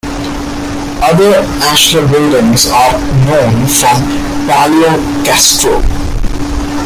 Other ashlar-buildings are known from Palaeokastro.